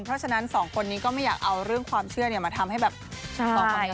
เพราะฉะนั้นสองคนนี้ก็ไม่อยากเอาเรื่องความเชื่อมาทำให้แบบต่อความเร็ว